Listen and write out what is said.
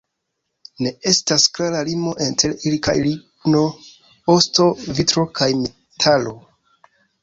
Ne estas klara limo inter ili kaj ligno, osto, vitro kaj metalo.